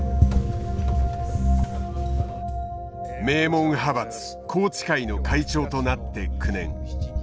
名門派閥宏池会の会長となって９年。